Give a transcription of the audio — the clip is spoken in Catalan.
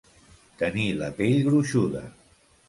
Tenir la pell gruixuda.